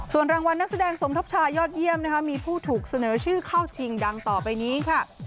ส่วนรางวัลนักแสดงสมทบชายอดเยี่ยมนะคะมีผู้ถูกเสนอชื่อเข้าชิงดังต่อไปนี้ค่ะ